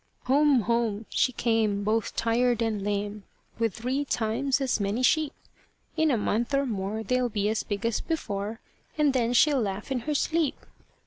Home, home she came, both tired and lame, With three times as many sheep. In a month or more, they'll be as big as before, And then she'll laugh in her sleep.